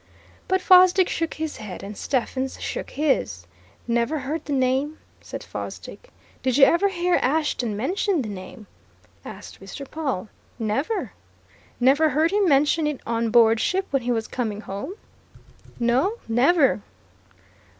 But Fosdick shook his head, and Stephens shook his. "Never heard the name," said Fosdick. "Did you ever hear Ashton mention the name!" asked Mr. Pawle. "Never!" "Never heard him mention it on board ship when he was coming home?" "No never!"